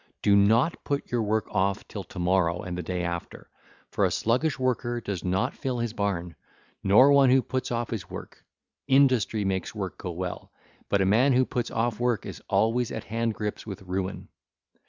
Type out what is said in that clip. Do not put your work off till to morrow and the day after; for a sluggish worker does not fill his barn, nor one who puts off his work: industry makes work go well, but a man who puts off work is always at hand grips with ruin.